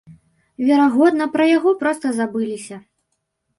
Верагодна, пра яго проста забыліся.